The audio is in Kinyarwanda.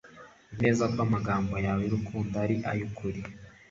menya neza ko amagambo yawe yurukundo ari ayukuri